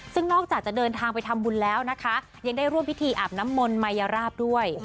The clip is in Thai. ซึ่งนอกจากจะเดินทางไปทำบุญแล้วนะคะยังได้ร่วมพิธีอาบน้ำมนต์มายราบด้วย